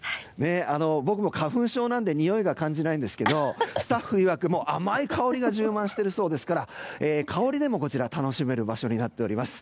僕も花粉症なのでにおいが感じないんですがスタッフいわく甘い香りが充満しているそうですから香りでも楽しめる場所になっております。